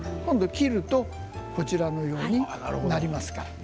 切るとこちらのようになります。